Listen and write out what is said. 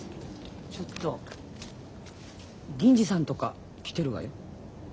ちょっと銀次さんとか来てるわよ。